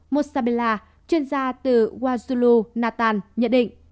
motsabela chuyên gia từ wazulu natan nhận định